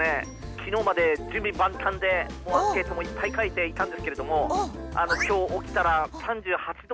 昨日まで準備万端でもうアンケートもいっぱい書いていたんですけれどもあら大丈夫？